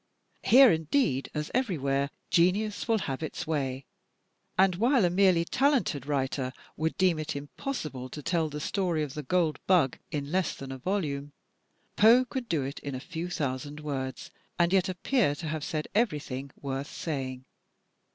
Here, indeed, as everywhere, genius will have its way; and while a merely talented writer would deem it impossible to tell the story of *The Gold Bug' in less than a volume, Poe could do it in a few thousand words, and yet appear to have said everything worth saying.